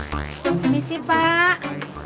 ini sih pak